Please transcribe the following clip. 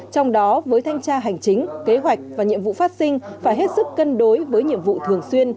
trong đó với thanh tra hành chính kế hoạch và nhiệm vụ phát sinh phải hết sức cân đối với nhiệm vụ thường xuyên